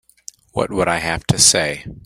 What would I have to say?